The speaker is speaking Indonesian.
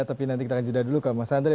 tapi nanti kita akan jeda dulu ke mas andre